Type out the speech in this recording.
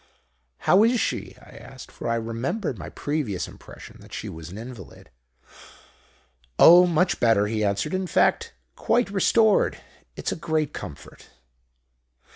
"'How is she?' I asked, for I remembered my previous impression that she was an invalid. "'Oh, much better,' he answered; 'in fact, quite restored. It's a great comfort.'